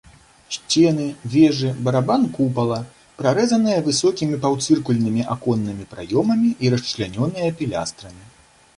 Сцены, вежы, барабан купала прарэзаныя высокімі паўцыркульнымі аконнымі праёмамі і расчлянёныя пілястрамі.